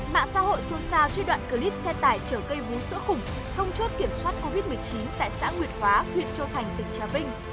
mạng xã hội xuân sao trên đoạn clip xe tải trở cây vú sữa khủng thông chốt kiểm soát covid một mươi chín tại xã nguyệt hóa huyện châu thành tỉnh trà vinh